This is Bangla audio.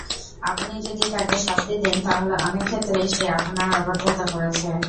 আপনি যদি তাকে শাস্তি দেন তাহলে অনেক ক্ষেত্রেই সে আপনার অবাধ্যতা করেছে।